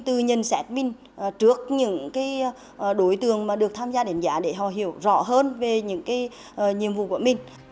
từ nhận xét mình trước những cái đối tượng mà được tham gia đánh giá để họ hiểu rõ hơn về những cái nhiệm vụ của mình